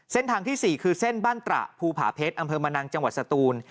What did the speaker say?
ที่๔คือเส้นบ้านตระภูผาเพชรอำเภอมะนังจังหวัดสตูน